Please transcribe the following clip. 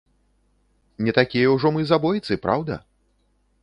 Не такія ўжо мы забойцы, праўда?